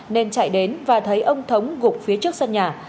nên chạy đến và thấy ông thống gục phía trước sân nhà